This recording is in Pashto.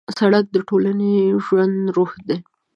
سړک د ټولنې ژوندی روح دی.